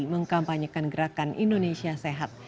mengkampanyekan gerakan indonesia sehat